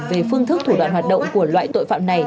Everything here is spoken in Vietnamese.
về phương thức thủ đoạn hoạt động của loại tội phạm này